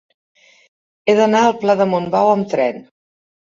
He d'anar al pla de Montbau amb tren.